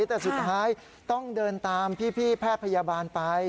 แต่สุดท้ายต้องเดินตามพี่แพทย์พยาบาลไป